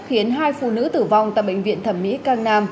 khiến hai phụ nữ tử vong tại bệnh viện thẩm mỹ cang nam